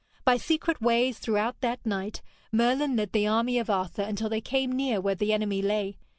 By secret ways, throughout that night, Merlin led the army of Arthur until they came near where the enemy lay.